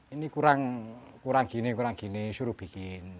ini kurang gini kurang gini suruh bikin